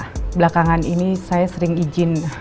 dan belakangan ini saya sering izin